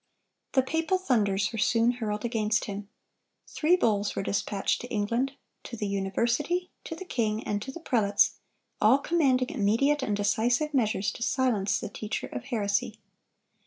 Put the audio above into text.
The papal thunders were soon hurled against him. Three bulls were dispatched to England,—to the university, to the king, and to the prelates,—all commanding immediate and decisive measures to silence the teacher of heresy.